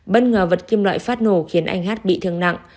bất ngờ vật kim loại phát nổ khiến anh hát bị thương nặng